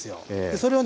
それをね